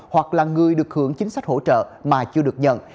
hoặc là người được hưởng chính sách hỗ trợ mà chưa được nhận